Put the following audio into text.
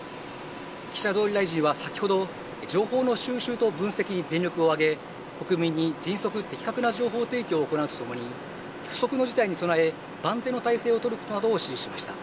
岸田総理大臣は先ほど情報の収集と分析に全力を挙げ国民に迅速・的確な情報提供を行うとともに不測の事態に備え、万全の態勢を取ることなどを指示しました。